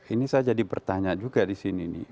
ini saya jadi bertanya juga disini nih